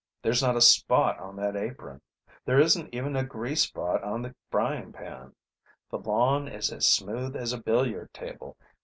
There's not a spot on that apron. There isn't even a grease spot on the frying pan. The lawn is as smooth as a billiard table.